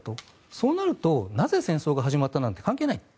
そうなると、なぜ戦争が始まったなんて関係ない。